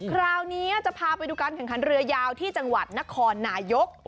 คราวนี้จะพาไปดูการแข่งขันเรือยาวที่จังหวัดนครนายก